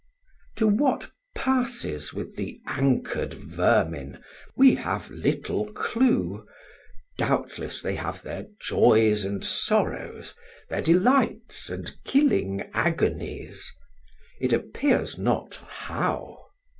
To what passes with the anchored vermin, we have little clue: doubtless they have their joys and sorrows, their delights and killing agonies: it appears not how.